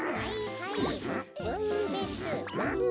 はい。